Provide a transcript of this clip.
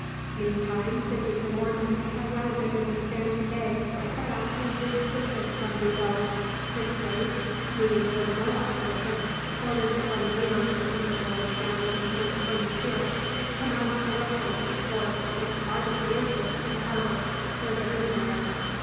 Meantime the Duke of Ormond had landed in a sandy bay about two leagues distant from Vigo. His Grace, meeting with no opposition, ordered the grenadiers, under Lord Shannon and Colonel Pierce, to march directly to the forts which guarded the entrance to the harbour where the boom lay.